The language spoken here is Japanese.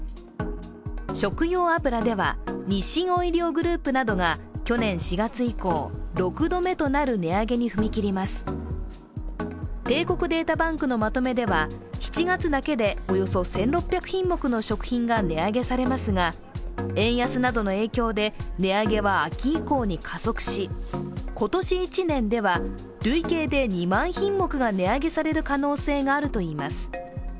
食用油では、日清オイリオグループなどが去年４月以降、６度目となる値上げに踏み切ります帝国データバンクのまとめでは７月だけでおよそ１６００品目の食品が値上げされますが、円安などの影響で値上げは秋以降に加速し今年１年では累計で２万品目が値上げされる可能性があるといいます。